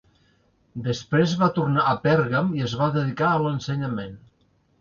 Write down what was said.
Després va tornar a Pèrgam i es va dedicar a l'ensenyament.